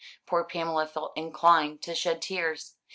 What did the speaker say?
Poor Pamela felt inclined to shed tears.